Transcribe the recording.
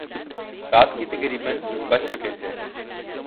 رات کے تقریبا بج چکے تھے